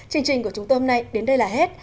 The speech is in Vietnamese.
chương trình của chúng tôi hôm nay đến đây là hết